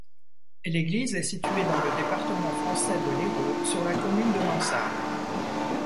L'église est située dans le département français de l'Hérault, sur la commune de Lansargues.